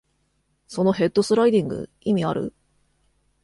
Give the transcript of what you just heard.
そのヘッドスライディング、意味ある？